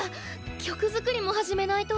曲作りも始めないと。